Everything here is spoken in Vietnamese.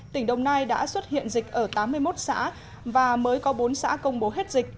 tỉnh đồng nai đã xuất hiện dịch ở tám mươi một xã và mới có bốn xã công bố hết dịch